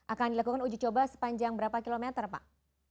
akan dilakukan uji coba sepanjang berapa kilometer pak